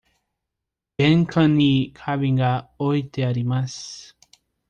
玄関に花瓶が置いてあります。